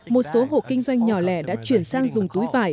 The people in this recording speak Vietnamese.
một số hộ kinh doanh nhỏ lẻ đã chuyển sang dùng túi vải